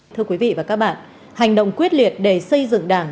thưa quý vị và các bạn hành động quyết liệt để xây dựng đảng